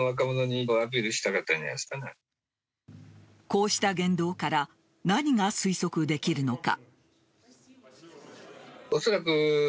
こうした言動から何が推測できるのか。